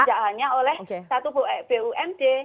tidak hanya oleh satu bumd